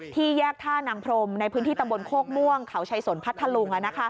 แยกท่านังพรมในพื้นที่ตำบลโคกม่วงเขาชัยสนพัทธลุง